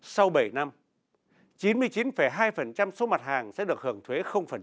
sau bảy năm chín mươi chín hai số mặt hàng sẽ được hưởng thuế